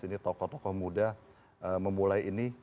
ini tokoh tokoh muda memulai ini